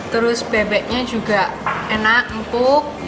terus bebeknya juga enak empuk